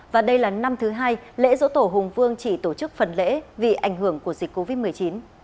và đây là năm thứ hai lễ dỗ tổ hùng vương chỉ tổ chức phần lễ vì ảnh hưởng của dịch covid một mươi chín